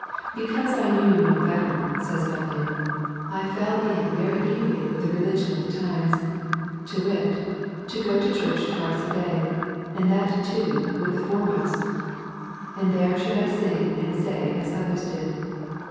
'Because I knew no better,' says Bunyan, 'I fell in very eagerly with the religion of the times: to wit, to go to church twice a day, and that, too, with the foremost. And there should I sing and say as others did.